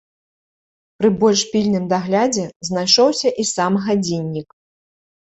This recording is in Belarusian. Пры больш пільным даглядзе знайшоўся і сам гадзіннік.